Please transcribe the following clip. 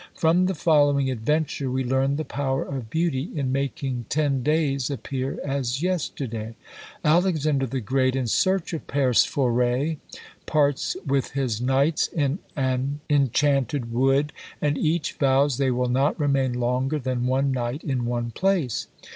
From the following adventure we learn the power of beauty in making ten days appear as yesterday! Alexander the Great in search of Perceforest, parts with his knights in an enchanted wood, and each vows they will not remain longer than one night in one place.